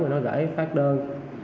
rồi nó gửi phát đơn